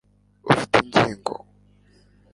ufite ingingo